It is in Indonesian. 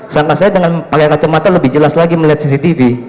santa saya dengan pakai kacamata lebih jelas lagi melihat cctv